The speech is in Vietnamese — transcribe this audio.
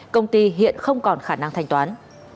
công ty hiện không còn khả năng thanh toán